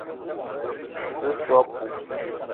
Me te so a poup.